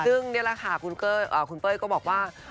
ซึ่งนี่แหละค่ะคุณเป้ยก็บอกว่า